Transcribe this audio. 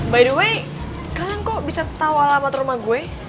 by the way kalian kok bisa tau alamat rumah gue